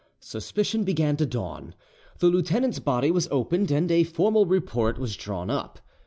Suspicion began to dawn: the lieutenant's body was opened, and a formal report was drawn up.